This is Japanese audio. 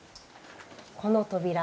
この扉。